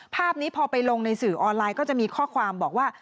ภาพนี้พอไปลงในสื่อออนไลน์ก็จะมีข้อความบอกว่า